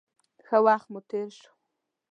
ښه وخت مو تېر شو.